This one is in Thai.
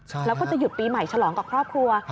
แล้วก็จะหยุดปีใหม่ฉลองกับครอบครัว